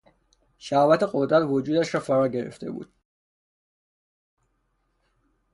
شهوت قدرت وجودش را فراگرفته بود.